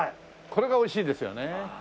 これがおいしいですよね。